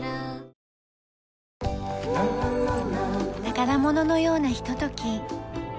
宝物のようなひととき。